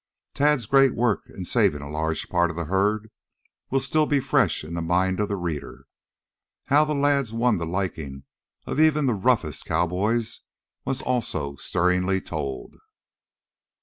Tad's great work in saving a large part of the herd will still be fresh in the mind of the reader. How the lads won the liking of even the roughest cowboys was also stirringly told.